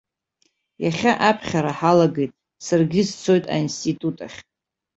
Иахьа аԥхьара ҳалагеит, саргьы сцоит аинститут ахь.